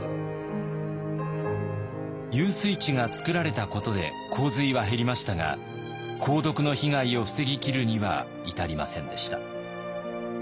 遊水池が作られたことで洪水は減りましたが鉱毒の被害を防ぎきるには至りませんでした。